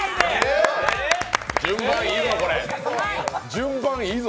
順番いいぞ。